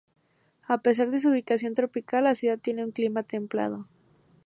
A pesar de su ubicación tropical, la ciudad tiene un clima templado.